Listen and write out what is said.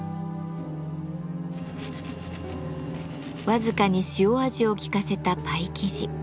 僅かに塩味をきかせたパイ生地。